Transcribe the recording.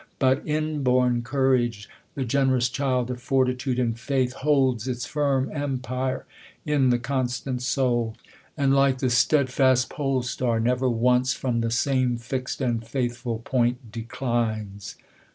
But inborn courage, The rc/i'rous cliild of fortitude and Faith, Holds THE COLUMBIAN ORATOR. 231 Holds its firm empire in the coHslant soul ; And, like the stedtast pole star, never once From the same fixM and faithful point declines.